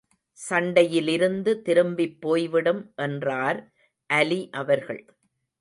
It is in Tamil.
சண்டையிலிருந்து திரும்பிப் போய்விடும் என்றார் அலி அவர்கள்.